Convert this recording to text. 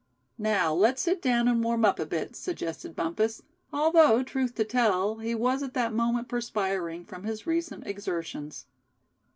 "Now let's sit down, and warm up a bit," suggested Bumpus; although truth to tell, he was at that moment perspiring from his recent exertions.